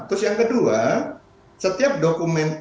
terus yang kedua setiap dokumen